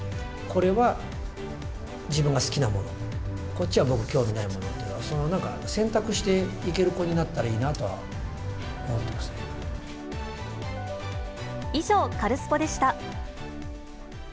これは自分が好きなもの、こっちは僕、興味ないものっていう、なんか選択していける子になった以上、カルスポっ！でした。